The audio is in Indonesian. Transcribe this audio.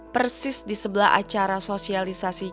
persis di sebelah acara sosialisasi